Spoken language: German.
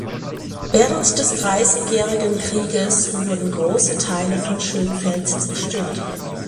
Während des Dreißigjährigen Krieges wurden große Teile von Schönfeld zerstört.